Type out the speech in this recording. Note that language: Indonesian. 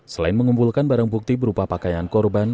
selain mengumpulkan barang bukti berupa pakaian korban